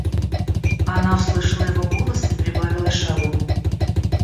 Она услышала его голос и прибавила шагу.